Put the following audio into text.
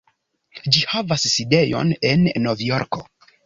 Ĝi havas sidejon en Novjorko.